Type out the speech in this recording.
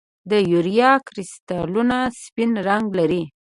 د یوریا کرسټلونه سپین رنګ لري.